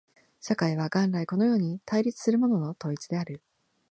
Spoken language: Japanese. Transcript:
社会は元来このように対立するものの統一である。